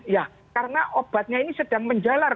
ya karena obatnya ini sedang menjalar